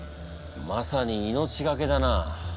まさに命懸けだな。